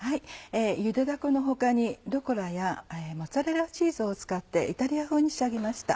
ゆでだこの他にルッコラやモッツァレラチーズを使ってイタリア風に仕上げました。